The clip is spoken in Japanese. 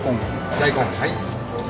大根。